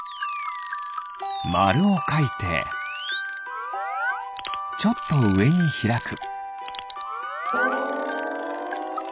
まるをかいてちょっとうえにひらく。